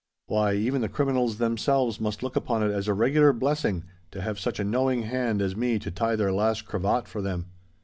Why—even the criminals themselves must look upon it as a regular blessing to have such a knowing hand as me to tie their last cravat for them.